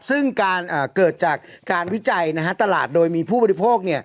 ซึ่งการเกิดจากการวิจัยตลาดโดยมีผู้บริโภค